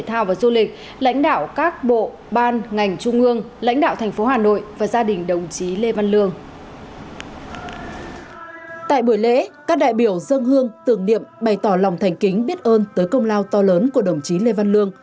tại buổi lễ các đại biểu dân hương tưởng niệm bày tỏ lòng thành kính biết ơn tới công lao to lớn của đồng chí lê văn lương